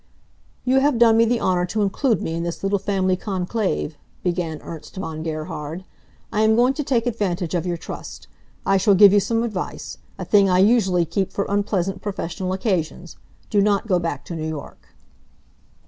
"You have done me the honor to include me in this little family conclave," began Ernst von Gerhard. "I am going to take advantage of your trust. I shall give you some advice a thing I usually keep for unpleasant professional occasions. Do not go back to New York."